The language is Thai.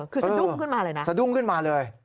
คือสะดุ้งขึ้นมาเลยนะสะดุ้งขึ้นมาเลย